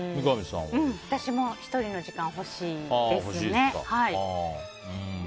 私も１人の時間が欲しいですね。